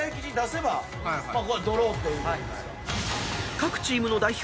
［各チームの代表